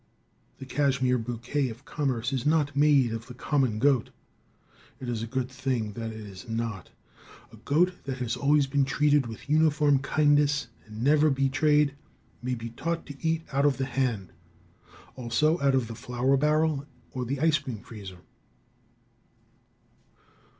The cashmere bouquet of commerce is not made of the common goat. It is a good thing that it is not. A goat that has always been treated with uniform kindness and never betrayed, may be taught to eat out of the hand. Also out of the flour barrel or the ice cream freezer.